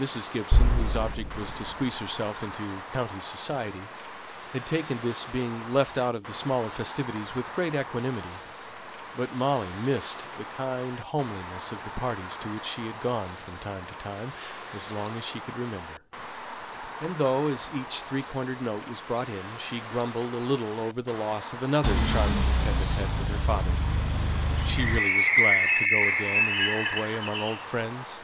Mrs. Gibson, whose object was to squeeze herself into "county society," had taken this being left out of the smaller festivities with great equanimity; but Molly missed the kind homeliness of the parties to which she had gone from time to time as long as she could remember; and though, as each three cornered note was brought in, she grumbled a little over the loss of another charming evening with her father, she really was glad to go again in the old way among old friends.